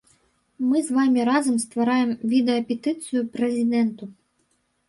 Мы з вамі разам ствараем відэапетыцыю прэзідэнту.